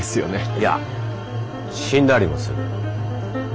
いや死んだりもする。